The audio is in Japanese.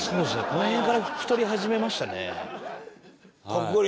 この辺から太り始めましたね。